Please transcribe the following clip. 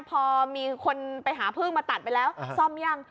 พอมีคนไปหาพึ่งมาตัดไปแล้วซ่อมยัง